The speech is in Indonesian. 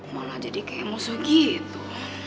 malah jadi kayak musuh gitu